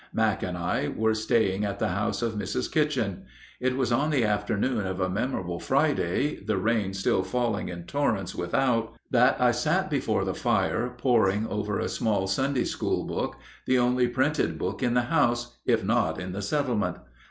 Mack and I were staying at the house of Mrs. Kitchen. It was on the afternoon of a memorable Friday, the rain still falling in torrents without, that I sat before the fire poring over a small Sunday school book, the only printed book in the house, if not in the settlement.